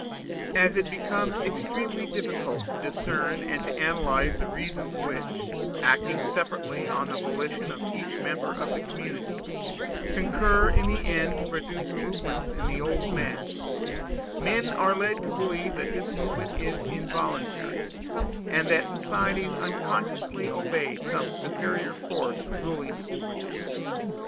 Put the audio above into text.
As it becomes extremely difficult to discern and to analyze the reasons which, acting separately on the volition of each member of the community, concur in the end to produce movement in the old mass, men are led to believe that this movement is involuntary, and that societies unconsciously obey some superior force ruling over them.